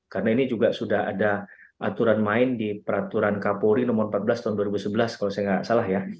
karena ini juga sudah ada aturan main di peraturan kapori nomor empat belas tahun dua ribu sebelas kalau saya nggak salah ya